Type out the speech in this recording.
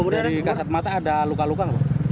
dari kasat mata ada luka luka